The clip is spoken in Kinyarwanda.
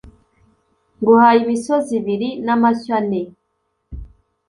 nguhaye imisozi ibiri namashyo ane